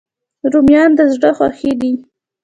رومیان د زړه خوښي دي